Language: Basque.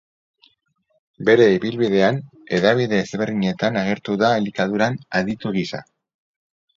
Bere ibilbidean, hedabide ezberdinetan agertu da elikaduran aditu gisa.